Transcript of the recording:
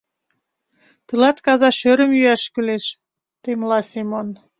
— Тылат каза шӧрым йӱаш кӱлеш, — темла Семон.